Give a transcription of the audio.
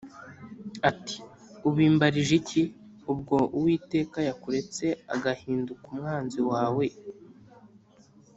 ati “ubimbarije iki, ubwo uwiteka yakuretse agahinduka umwanzi wawe?